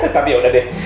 tapi ya udah deh